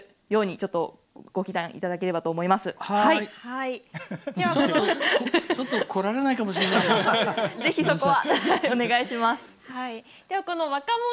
ちょっと来られないかもしれないですが。